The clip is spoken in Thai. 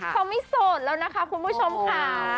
เขาไม่โสดแล้วนะคะคุณผู้ชมค่ะ